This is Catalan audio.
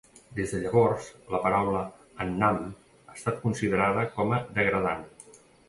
Des de llavors, la paraula Annam ha estat considerada com a degradant.